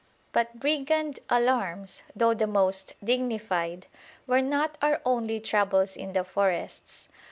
But brigand alarms, though the most dignified, were not our only troubles in the forests.